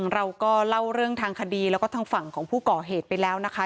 เราก็เล่าเรื่องทางคดีแล้วก็ทางฝั่งของผู้ก่อเหตุไปแล้วนะคะ